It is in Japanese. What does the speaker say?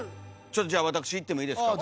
ちょっとじゃあ私いってもいいですか？